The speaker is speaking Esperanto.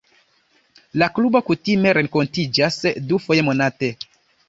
La klubo kutime renkontiĝas dufoje monate.